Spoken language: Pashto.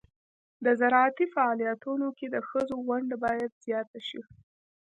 د زراعتي فعالیتونو کې د ښځو ونډه باید زیاته شي.